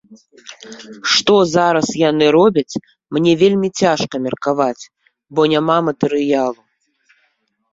Што зараз яны робяць, мне вельмі цяжка меркаваць, бо няма матэрыялу.